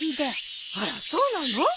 あらそうなの？